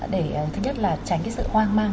để thứ nhất là tránh cái sự hoang mang